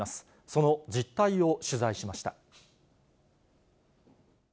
その実態を取材しました。